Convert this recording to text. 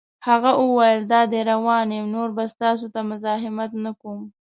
هغه وویل: دادی روان یم، نور به ستاسو ته مزاحمت نه کوم.